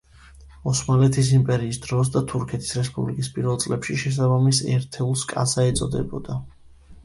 ოსმალეთის იმპერიის დროს და თურქეთის რესპუბლიკის პირველ წლებში შესაბამის ერთეულს კაზა ეწოდებოდა.